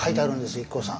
ＩＫＫＯさん。